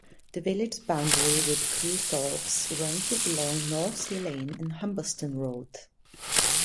The village's boundary with Cleethorpes runs along North Sea Lane and Humberston Road.